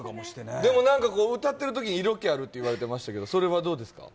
歌ってるときに色気あるって言われてましたけどそれはどうですか？